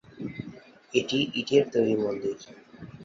এটি ইটের তৈরি মন্দির।